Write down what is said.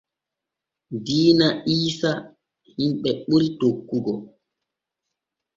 Diina iisa himɓe ɓuri tokkugo.